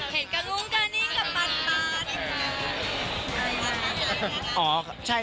เห็นกระลุงกันนี่กับปัน